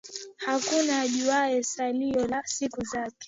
Hakuna ajuaye, salio la siku zake.